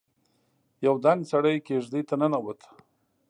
يو دنګ سړی کېږدۍ ته ننوت.